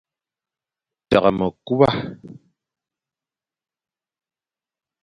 Tagha mekuba.